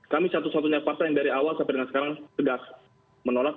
kami satu satunya partai yang dari awal sampai dengan sekarang sudah menolak